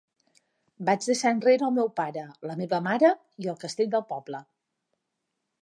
Vaig deixar enrere el meu pare, la meva mare i el castell del poble.